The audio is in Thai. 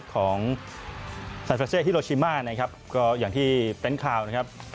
ของซานเฟรเช่ฮิโรชิม่าอย่างที่เป็นข่าวนะครับ